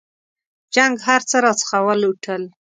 جنګ هرڅه راڅخه ولوټل.